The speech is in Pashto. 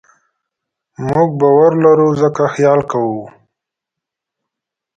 موږ باور لرو؛ ځکه خیال کوو.